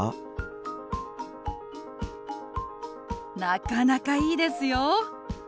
なかなかいいですよ。